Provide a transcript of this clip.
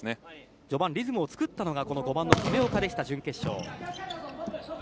序盤、リズムを作ったのが５番の亀岡でした、準決勝。